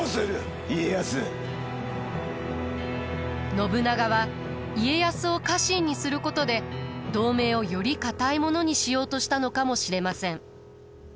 信長は家康を家臣にすることで同盟をより固いものにしようとしたのかもしれません。